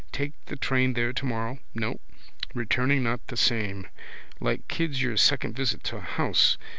Take the train there tomorrow. No. Returning not the same. Like kids your second visit to a house.